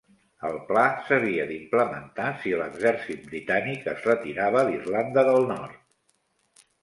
El pla s'havia d'implementar si l'Exèrcit Britànic es retirava d'Irlanda del Nord.